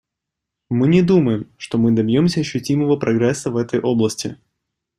Мы не думаем, что мы добьемся ощутимого прогресса в этой области.